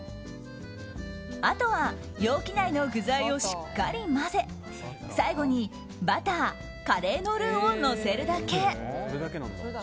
あとは容器内の具材をしっかり混ぜ最後にバターカレーのルーをのせるだけ。